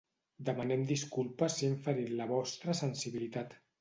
Demanem disculpes si hem ferit la vostra sensibilitat.